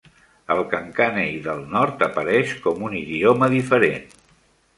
El kankanaey del nord apareix com un idioma diferent.